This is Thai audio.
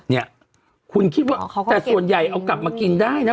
เนี่ยคุณคิดว่าแต่ส่วนใหญ่เอากลับมากินได้นะ